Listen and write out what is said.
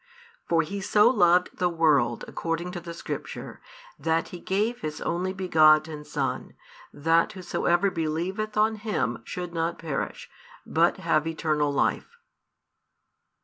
For He so loved the world according to the Scripture, that He gave His Only begotten Son, that whosoever believeth on Him should not perish, but have eternal life.